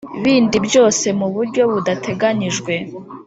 bindi byose mu buryo budateganyijwe